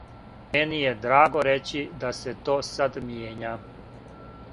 Мени је драго рећи да се то сад мијења.